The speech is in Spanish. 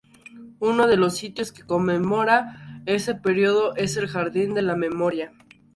Uno de los sitios que conmemora ese período es el Jardín de la Memoria.